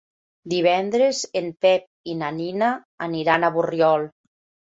Divendres en Pep i na Nina aniran a Borriol.